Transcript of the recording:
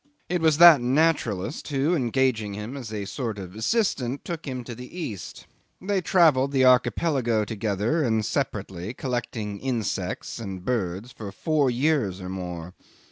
It was that naturalist who, engaging him as a sort of assistant, took him to the East. They travelled in the Archipelago together and separately, collecting insects and birds, for four years or more.